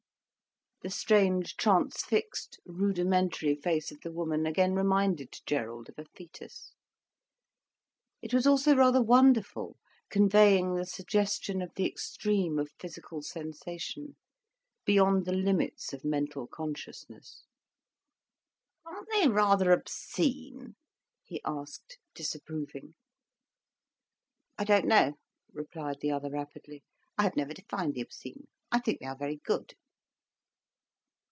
The strange, transfixed, rudimentary face of the woman again reminded Gerald of a fœtus, it was also rather wonderful, conveying the suggestion of the extreme of physical sensation, beyond the limits of mental consciousness. "Aren't they rather obscene?" he asked, disapproving. "I don't know," murmured the other rapidly. "I have never defined the obscene. I think they are very good."